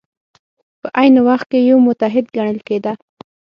په عین وخت کې یو متحد ګڼل کېده.